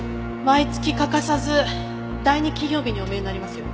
毎月欠かさず第２金曜日にお見えになりますよ。